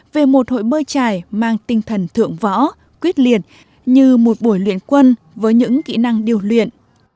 về một hội bơi trải mang tinh thần thượng võ quyết liệt như một buổi luyện quân với những kỹ năng điều luyện